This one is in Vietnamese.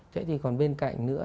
thế thì còn bên cạnh nữa